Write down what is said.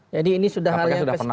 jadi ini sudah hal yang kesekian